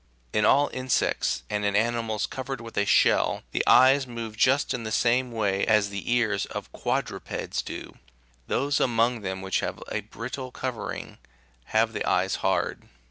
In all insects and in animals covered with a shell, the eyes move just in the same way as the ears of quadrupeds do ; those among them which have a brittle6 covering have the eyes hard.